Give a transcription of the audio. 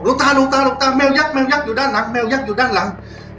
ตาหลวงตาหลวงตาแมวยักษ์แมวยักษ์อยู่ด้านหลังแมวยักษ์อยู่ด้านหลัง